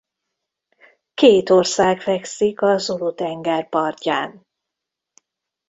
Két ország fekszik a Sulu-tenger partján.